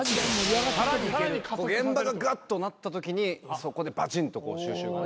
現場がガッとなったときにそこでバチンと収拾がね。